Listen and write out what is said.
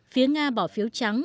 phía nga bỏ phiếu trắng